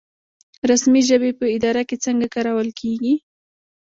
رسمي ژبې په اداره کې څنګه کارول کیږي؟